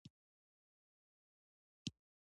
دا سړی ډېر صادق و.